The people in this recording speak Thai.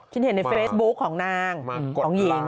เห็นในเฟซบุ๊คของนางของหญิง